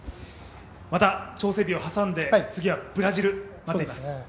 また調整日を挟んで次はブラジル、待っています。